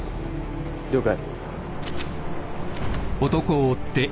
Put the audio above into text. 了解